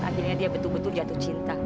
akhirnya dia betul betul jatuh cinta